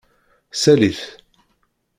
Sali-t.